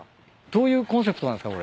どういうコンセプトなんすか？